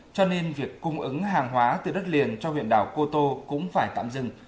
cho nên việc cung ứng hàng hóa từ đất liền cho huyện đảo cô tô cũng phải tạm dừng